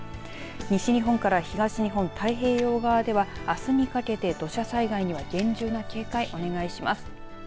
西日本から東日本、太平洋側ではあすにかけて土砂災害には厳重な警戒を、お願いします。